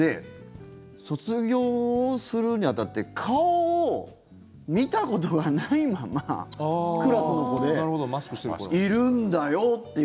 卒業するに当たって顔を見たことがないままクラスの子でいるんだよって